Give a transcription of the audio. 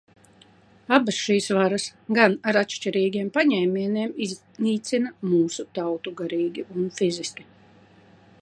Abas šīs varas, gan ar atšķirīgiem paņēmieniem iznīcina mūsu tautu garīgi un fiziski.